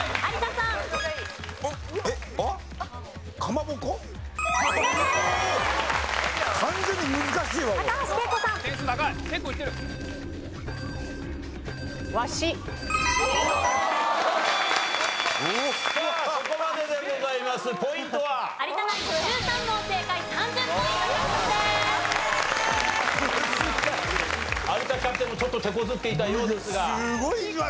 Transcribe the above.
有田キャプテンもちょっと手こずっていたようですが。